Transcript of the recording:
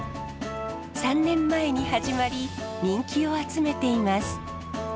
３年前に始まり人気を集めています。